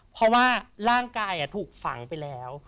เพราะว่าร่างกายถูกฝังไปแล้ว